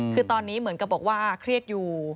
คือตอนนี้เหมือนกับบอกว่าเครียดอยู่